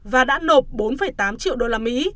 và đã nộp bốn tám triệu usd